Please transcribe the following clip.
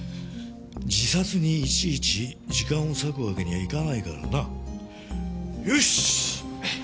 自殺にいちいち時間を割くわけにはいかないからな。よしっ！